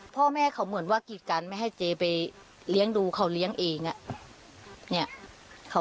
พ่อแม่เขาเหมือนว่ากีดกันไม่ให้เจ๊ไปเลี้ยงดูเขาเลี้ยงเอง